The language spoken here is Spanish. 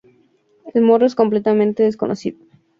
El morro es completamente desconocido.